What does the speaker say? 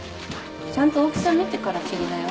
ちゃんと大きさ見てから切りなよ